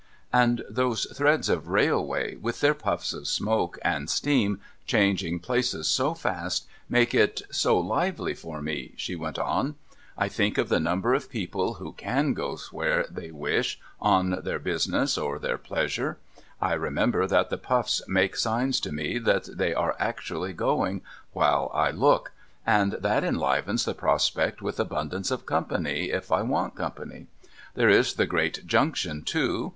' And those threads of raihvay, with their puffs of smoke and steam changing pLaces so fast, make it so lively for me,' she went on. ' I think of the number of people who can go where they wish, on their business, or their pleasure ; I remember that the puffs make signs to me that they are actually going while I look ; and that enlivens the prospect with abundance of company, if I want company. There is the great Junction, too.